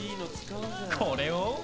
これを。